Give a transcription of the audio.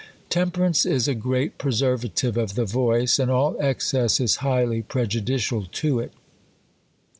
Temperance is a great preservative of the voice, and all excess is highly prej udicial to it.